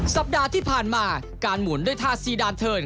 สัปดาห์ที่ผ่านมาการหมุนด้วยท่าซีดานเทิร์น